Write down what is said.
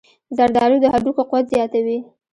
زردآلو د هډوکو قوت زیاتوي.